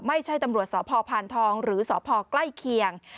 ไม่ใช่ตำรวจสพพานทองหรือสพใกล้เคียง